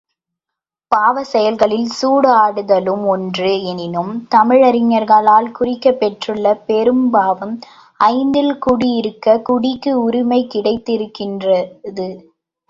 பாவச் செயல்களில் சூதாடுதலும் ஒன்று எனினும் தமிழறிஞர்களால் குறிக்கப் பெற்றுள்ள பெரும்பாவம் ஐந்தில் குடியிருக்கக் குடிக்கு உரிமை கிடைத்திருக்கிறது.